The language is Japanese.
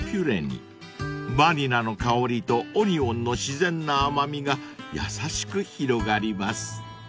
［バニラの香りとオニオンの自然な甘味が優しく広がります］